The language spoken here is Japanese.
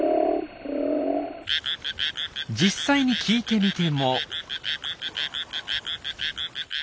実際に聞いてみても。